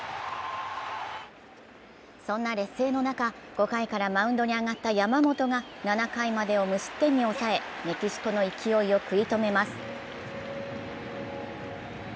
そんな劣勢の中、５回からマウンドに上がった山本が７回までを無失点に抑えメキシコの勢を食い止めます。